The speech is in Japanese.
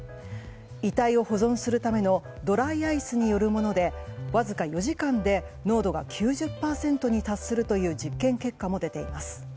遺体を保存するためのドライアイスによるものでわずか４時間で濃度が９０％に達するという実験結果も出ています。